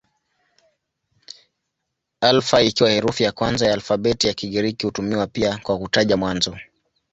Alfa ikiwa herufi ya kwanza ya alfabeti ya Kigiriki hutumiwa pia kwa kutaja mwanzo.